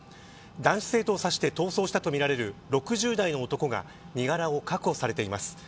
男子生徒を通じて逃走したとみられる６０代の男が身柄を確保されています。